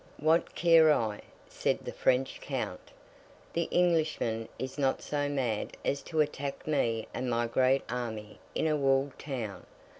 'What care I?' said the French Count. 'The Englishman is not so mad as to attack me and my great army in a walled town!